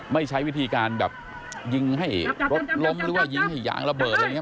ไม่ใช้วิธีการแบบยิงให้รถล้มหรือว่ายิงให้ยางระเบิดอะไรอย่างนี้